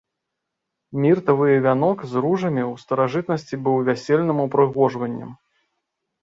Міртавыя вянок з ружамі ў старажытнасці быў вясельным упрыгожваннем.